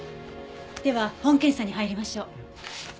では本検査に入りましょう。